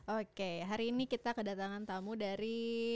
oke hari ini kita kedatangan tamu dari